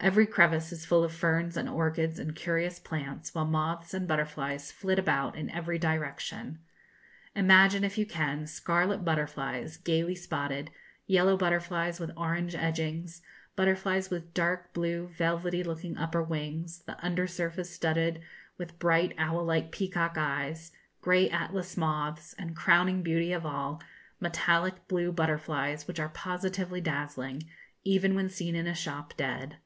Every crevice is full of ferns and orchids and curious plants, while moths and butterflies flit about in every direction. Imagine, if you can, scarlet butterflies gaily spotted, yellow butterflies with orange edgings, butterflies with dark blue velvety looking upper wings, the under surface studded with bright owl like peacock eyes, grey Atlas moths, and, crowning beauty of all, metallic blue butterflies, which are positively dazzling, even when seen in a shop, dead.